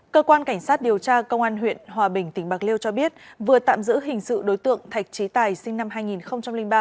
cơ quan cảnh sát điều tra công an huyện hòa bình tỉnh bạc liêu cho biết vừa tạm giữ hình sự đối tượng thạch trí tài sinh năm hai nghìn ba